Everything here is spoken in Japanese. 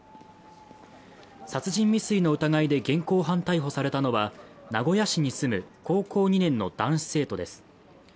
殺人未遂の疑いで現行犯逮捕されたのは名古屋市に住む高校２年の男子生徒です。